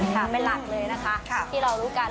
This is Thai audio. เป็นหลักเลยนะคะที่เรารู้กัน